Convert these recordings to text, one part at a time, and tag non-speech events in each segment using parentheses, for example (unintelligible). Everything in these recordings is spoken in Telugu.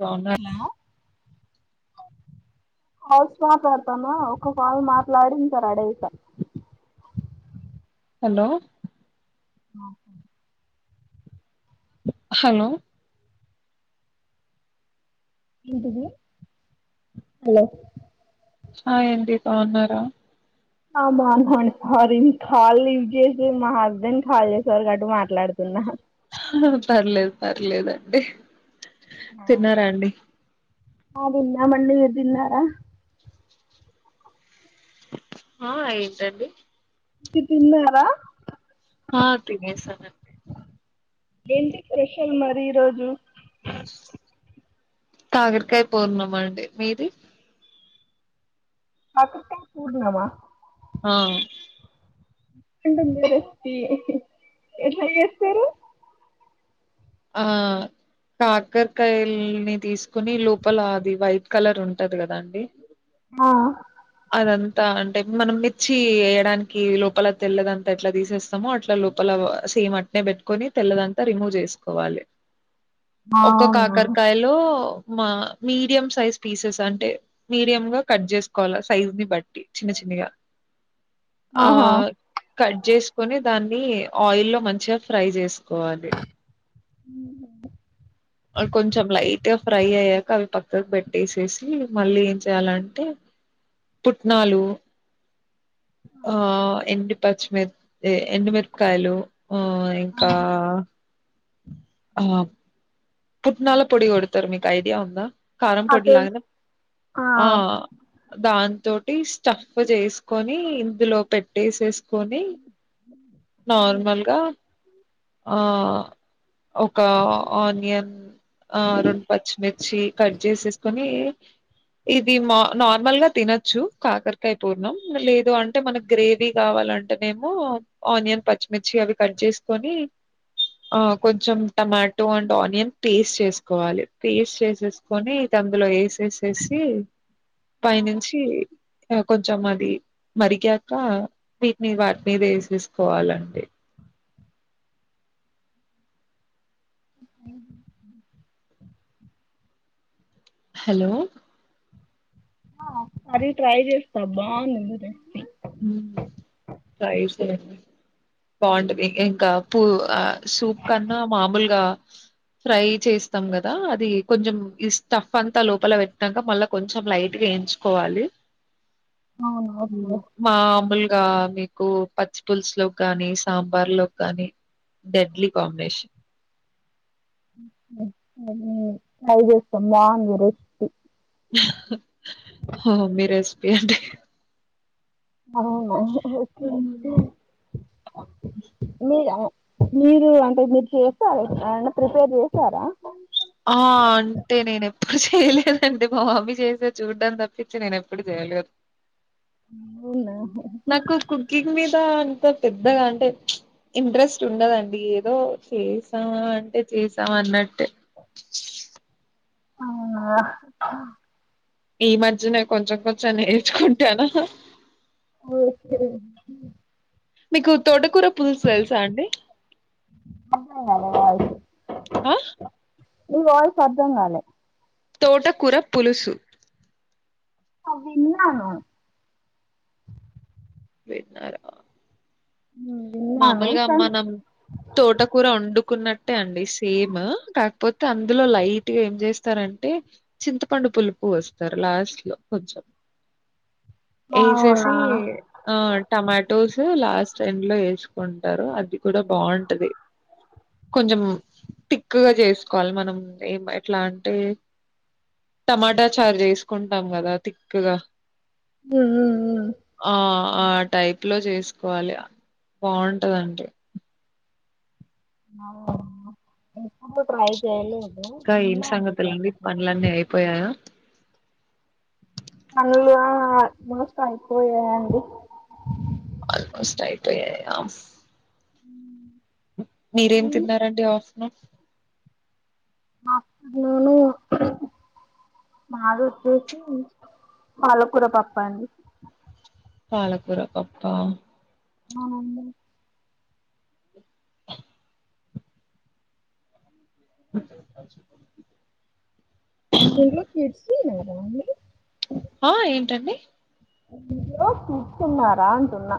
బాగున్న హలో కాల్స్ మాట్లాడతన ఒక కాల్ మాట్లాడి ఇక రెడీ అయిత హలో ఒకే హలో ఏంటిది హలో ఆ ఏంటి బాగున్నారా? ఆ బాగునం అండి సారీ కాల్ లిఫ్ట్ చేసిది మా హస్బెండ్, కాల్ చేసారు కాబటి మాట్లాడుతున్నా హా పర్లేద్ పర్లేదండి తిన్నారా అండి? ఆ తినం అండి మీర్ తిన్నారా? ఆ ఏంటండీ ఇది తిన్నార ఆ తినేసానండి ఏంటి స్పెషల్ మరి ఈ రోజు కాకరకాయ పూర్ణం అండి మీది కాకరకాయ పూర్ణమా ఆ అంటే మీరు ఎట్లా చేస్తారు ఆ కాకరకాయలని తీసుకుని లోపల అది వైట్ కలర్ ఉంటది కదా అండి ఆ అదంతా అంటే మనం మిర్చి వేయడానికి లోపల తెల్లదంతా ఎట్లా తీసేస్తామో అట్లా లోపల సేమ్ అట్నే పెట్టుకొని తెల్లదంతా రిమూవ్ చేసుకోవాలి. ఒక అవునా కాకరకాయలో మా మీడియం సైజ్ పీసెస్ అంటే మీడియ గా కట్ చేసుకోవాలి సైజు ని బట్టి చిన్న చిన్నగా ఆ ఆహా కట్ చేసుకొని దాన్ని ఆయిల్ లో మంచిగా ఫ్రై చేసుకోని కోవాలి ఉహు లైట్ గా ఫ్రై అయ్యాక అవి పక్కకు పెట్టేసేసి మళ్ళీ ఏం చేయాలంటే పుట్నాలు ఆ ఎండి పచ్చిమిరప ఎండుమిరపకాయలు ఆ ఇంకా అ ఆ పుట్నాల పొడి కొడుతారు మీకు ఐడియా ఉందా కారం ఆ తెలుసు పొడిలాగా ఆ దాంతో స్టఫ్ చేసుకొని ఇందులో పెట్టేసేసి కొని నార్మల్గా ఆ ఒక ఆనియన్ ఆ రెండు పచ్చిమిర్చి కట్ చేసేసుకొని ఇది మా నార్మల్ గా తినొచ్చు కాకరకాయ పూర్ణం లేదు అంటే మనకు గ్రేవీ కావాలంటే నేమో ఆనియన్ పచ్చిమిర్చి అవి కట్ చేసుకొని ఆ కొంచెం టమాటో అండ్ ఆనియన్ పేస్ట్ చేసుకోవాలి పేస్ట్ చేసేసుకొని ఇది అందులో వేసేసేసి పైనుంచి కొంచం అది మరిగాక వీటిని వాటి మీద వేసేసి కోవాలండి ఉ హలో మరీ ట్రై చేస్తా బాగుందింది హు ఫ్రై చేయండి బావుంటది ఇంకా పూ ఆ సూప్ కన్నా మామూలుగా ఫ్రై చేస్తాం కదా అది కొంచెం ఈ స్టఫ్ అంతా లోపల పెట్నాక మళ్ళా కొంచెం లైట్గా వేయించుకోవాలి అవునా (unintelligible) మాములుగా మీకు పచ్చిపులుసు లోకి గానీ సాంబార్ లోకి గానీ డెడ్లీ కాంబినేషన్ ఐదు సమాన్ రష్టి హోమీ రెస్పీ అండి అవునా ఓకే ఉ హ్మ్ మీదా మీరు అంటే మీరు చేస్తారా ఏమన్నా ప్రిపేర్ చేసారా ఆ అంటే నేను ఎప్పుడు చేయలేదండి మా మమ్మీ చేసే చూడ్డం తప్పిచ్చి నేను ఎప్పుడు చేయలే (unintelligible) నాకు కుకింగ్ మీద అంత పెద్దగా అంటే ఇంట్రెస్ట్ ఉండదండి ఏదో చేశామా అంటే చేశామా అన్నట్టే అవునా ఈ మధ్యనేే కొంచెం కొంచెం నేర్చుకుంటాను ఒకే మీకు తోట కూర పులుసు తెలుసా అండి అర్థం కాలే ఆ నీ వాయిస్ అర్థం కాలే తోటకూర పులుసు అ విన్నను (unintelligible) ఉమ్, విన్నాను మామూలుగా కానీ మనం తోటకూర వండు కున్నట్టే అండి సేమ్ కాకపోతే అందులో లైట్ గా ఏం చేస్తారంటే చింతపండు పులుపు వేస్తారు లాస్ట్ లో కొంచెం అవునా ఏసేసి ఆ టమా టోసు లాస్ట్ టైం లో ఏ చుకుంటారు అది కూడా బావుంటది కొంచెం తిక్కుగా చేసుకోవాలి మనం ఏం ఎట్లా అంటే టమాటా చారు చేసుకుంటాం కదా తిక్కుగా ఉమ్ ఉమ్ ఉమ్ ఆ ఆ టై ట్లో చేసుకోవాలి బావుంటదండి (unintelligible) కా ఏం విన్నాను సంగతులండి కాకపోతే పనులన్నీ అయిపోయాయా అల్లో మోస్ట్ అయిపోయాండి ఆల్మోస్ట్ అయిపోయాయా ఉమ్ మీరేం తిన్నారండి ఆఫ్ (unintelligible) (unintelligible) మాదొచ్చేసి పాల కూర పప్పండి పాలకూర పాప్పా (inaudible) మీరు కిడ్స్ తిన్నారా అండి ఆ ఏంటండి (unintelligible) కూర్చున్నరా అంటున్నా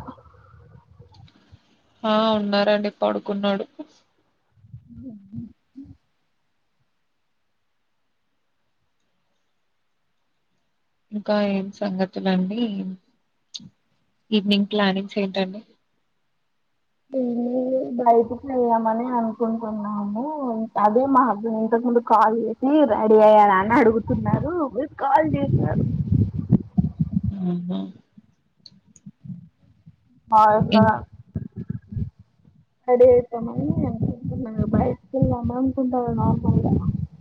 ఆ ఉన్నారండి పడుకున్నాడు. హ ఇంకా ఏం సంగతులండి ఈవినింగ్ ప్లానింగ్స్ ఏంటండి. ఏం లేదు బయటికి వెళ్దామని అనుకుంటున్నాము. అదే మా హబ్బె ఇంతకు ముందు కాల్ చేసి రెడీ అయ్యారా అని అడుగుతున్నారు మీరు కాల్ చేసారు. అవునా ఇన్ (unintelligible) రెడీ అయితమని బయటిక్ వెళ్దాం అనుకుంటన్న నార్మల్గ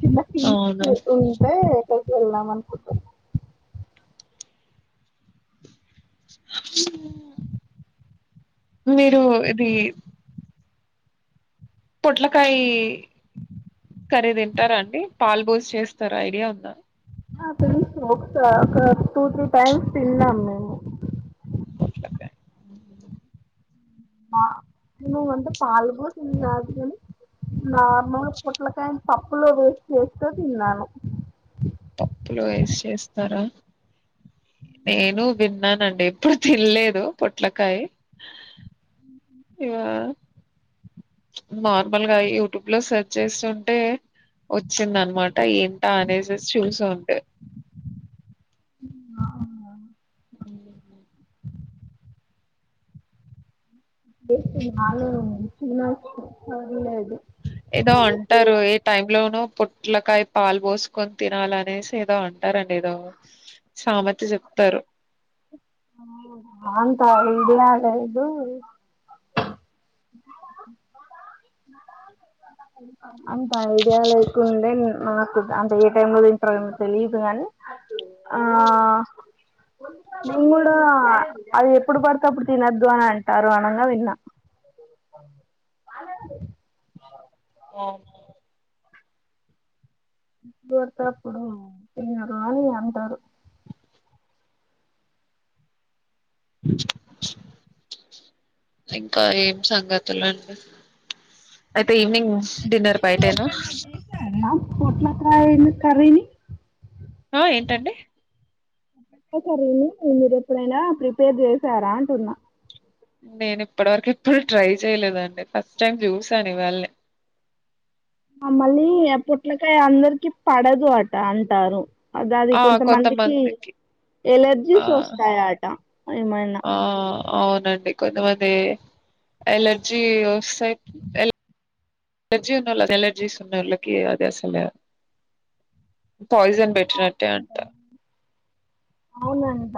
చిన్న ఫీస్ట్ అవునా ఉంటే (unintelligible) మీరు ఇది పొట్లకాయి కర్రీ తింటరా అండి పాల్ పోజ్ చేస్తారు ఐడియా ఉందా ఆ తెలుసు ఒకస ఒక టూ త్రీ టైమ్స్ తిన్నాం మేము. పొట్లకాయ్ న నువ్వంటే పాలు పోసింది నాద్ గని నార్మల్ పొట్లకా పప్పులో వేస్ చేస్తే తిన్నాను. పప్పులో ఏస్ చేస్తారా నేను విన్నానండి ఎప్పుడు తిన్లేదు పొట్లకాయ్ ఇవా నార్మల్గా యూట్యూబ్లో సెర్చ్ చేస్తుంటే వచ్చిందన్నమాట ఏంట అనేసి చూసా ఉంటే అవునా (inaudible) తినచ్చు పర్లేదు. ఏదో అంటారు ఏ టైమ్ లోనో పొట్లకాయ పాలు పోస్కొని తినాలనేసి ఏదో అంటారండి ఏదో సామెత చెప్తరు. అంత ఐడియా లేదు అంత ఐడియా లేకుండే అంటే ఏ టైమ్లో తింటరో తెలీదు కనీ ఆ నేన్ గుడా అది ఎప్పుడు పడితే అప్పుడు తినద్దు అన్ అంటరు అనంగా తిన్న ఆ గొర్తే అప్పుడు తిన రాదు అంటరు. ఇంకా ఏం సంగతులండి. అయితే ఈవినింగ్ డిన్నర్ బయటేనా పొట్ల కాయని కర్రీనీ ఆ ఏంటండి కర్రీని మీరెప్పుడైనా ప్రిపేర్ చేసారా అంటున్న నేన్ ఇప్పట్ వరక్ ఎప్పుడు ట్రై చేయలేదండి ఫస్ట్ టైం చూసాను ఇవాల్నే మమ్మల్ని ఆ పొట్లకాయ అందరికి పడదు అట అంటాన్రు. అద్ అది కొంతమందికి ఆ ఎలర్జీస్ వస్తాయట ఏమైనా ఆ అవునండి కొంతమంది ఎలర్జీ సై ఎలా ఎలర్జీ ఉన్నోళ్లకి ఎలర్జీస్ ఉన్నోళ్ళకి అది అసలు పయిసన్ పెట్ ట్టి నట్టె అంట అవునంట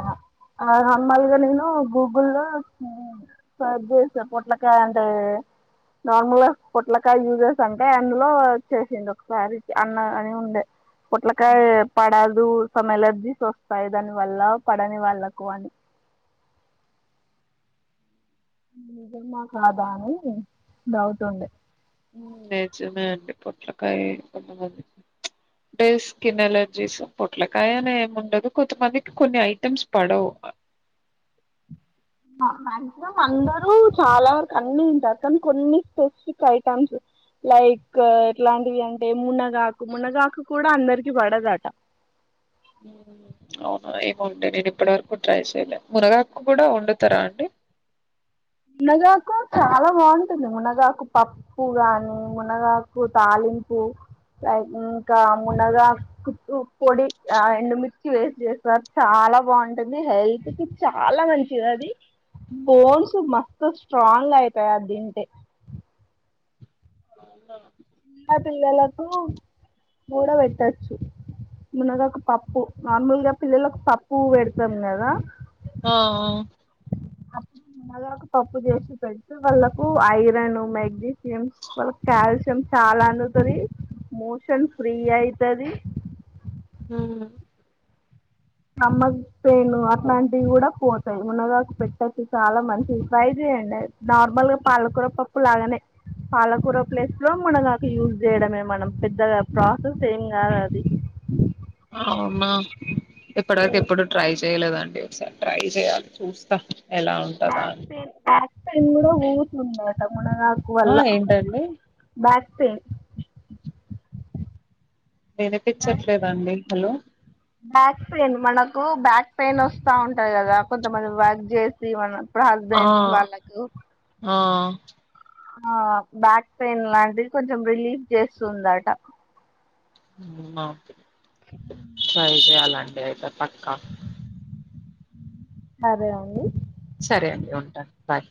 నార్మల్గా నేను గూగుల్లో సర్చ్ చేసా పొట్లకాయ అంటే నార్మల్గా పొట్లకాయ యూసస్ అంటే అందులో చేసింది ఒకసారిీ అన్న అని ఉండే హ్మ్. పొట్లకాయ అదు సమ్ ఎలర్జీస్ వస్తాయి దాని వల్ల పడని వాళ్ళకు అని నిజమా కాదా అని డౌట్ ఉండే నిజమే అండి పొట్లకాయ కొంతమందికి అంటే స్కిన్ ఎలర్జీస్ పొట్లకాయ అని ఏమి ఉండదు కొంతమందికి కొన్ని ఐటమ్స్ పడవు మాక్సిమం అందరూ చాలా వరకు అన్ని తింటారు కానీ కొన్ని స్పెసిఫిక్ ఐటమ్స్ లైక్ ఎట్లాంటివి అంటే మునగాకు మునగాకు కూడా అందరికి పడదట అవును ఏమొ అండీ నేను ఇప్పడి వరకు ట్రై చెయ్యలే మునగాకు కూడా వండుతారా అండి మునగాకు చాలా బాగుంటుంది మునగాకు పప్పు గాని మునగాకు తాలింపు లైక్ ఇంకా మునగా కు పొడి ఆ ఎండుమిర్చి వేసి చేస్తారు చాలా బాగుంటుంది హెల్త్ కి చాలా మంచిది అది బోన్స్ మ స్ట్రాంగ్ అయితాయి అది తింటే చిన్న పిల్లలకు మూడ పెట్టచ్చు మున్నగా ఒక పప్పు నార్మల్గా పిల్లలకు పప్పు పెడతాం కదా ఆ ఆ! అప్పుడు మునగాకు పప్పు చేసి పెడితే వాళ్ళకు ఐరన్ మెగ్నీషియం వాళ్ళకు కాల్షియం చాలా అందుతది మోషన్ ఫ్రీ అయితది ఉమ్ అమ్మక్ పెను అట్లాంటివి కూడా పోతాయి మునగాక పెట్టచ్చు చాలా మంచిది ట్రై చేయడి నార్మల్ గా పాలకూర పప్పు లాగానే పాలకూర ప్లేస్ లో మునగాక యూజ్ చేయడమే మనం పెద్దగా ప్రాసెస్ ఏం కాదు అది అవునా ఎప్పుడుతే ఎప్పుడు ట్రై చే తేలేదండి ఒకసారి ట్రై చేయాలి చూస్తా ఎలా ఉంటదా బ్యాక్ అని పెయిన్ బ్యాక్ నేను కూడా (unintelligible) మునగాకు ఆ వల్ల ఏంటండి బాస్ సేమ్ వినిపించట్లేదండి హలో బ్యాక్ పెయిన్ మనకు బ్యాక్ పెయిన్ వస్తా ఉంటది కదా కొంతమంది వాక్ చేసి మన ఆ హస్బెండ్ వాళ్ళకు ఆ ఆ బ్యాక్ పెయిన్ లాంటిది కొంచెం రిలీఫ్ చేస్తుందట ఉమ్మ ట్రై చేయాలం డే అయితే పక్కా సరే అండి సరే అండి ఉంటాను బాయ్